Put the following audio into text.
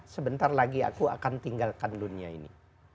sebentar lagi aku akan tinggalkan dunia ini